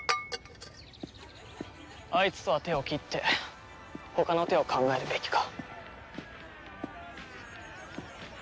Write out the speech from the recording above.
あいつとは手を切って他の手を考えるべきか。